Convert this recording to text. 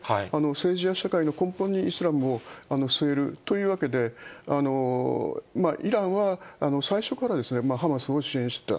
政治や社会の根本にイスラムを据えるというわけで、イランは最初からハマスを支援していた。